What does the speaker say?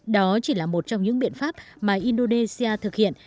đó chỉ là một trong những biện pháp mà indonesia thực hiện